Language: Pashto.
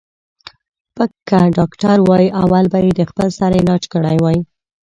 ـ پک که ډاکتر وای اول به یې د خپل سر علاج کړی وای.